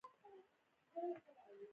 چاته اجازه ور نه کړو چې اثار و پلټنې.